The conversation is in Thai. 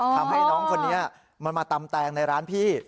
ทำให้น้องคนนี้มันมาตำแตงในร้านพี่